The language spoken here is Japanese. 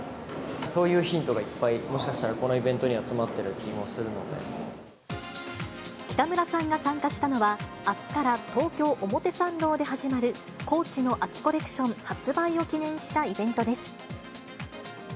そういうヒントがいっぱい、もしかしたら、このイベントには北村さんが参加したのは、あすから東京・表参道で始まる、ＣＯＡＣＨの秋コレクション発売を記念したイベントです。